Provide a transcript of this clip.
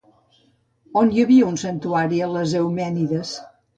On hi havia un santuari a les Eumènides?